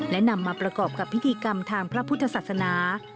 และนำมาประกอบกับพิธีกรรมทางพระพุทธศาสนา